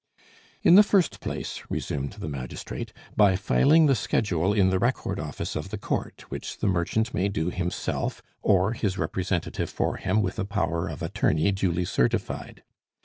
"In the first place," resumed the magistrate, "by filing the schedule in the record office of the court, which the merchant may do himself, or his representative for him with a power of attorney duly certified.